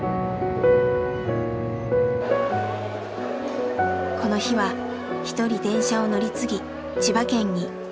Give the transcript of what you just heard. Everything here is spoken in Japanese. この日は一人電車を乗り継ぎ千葉県に。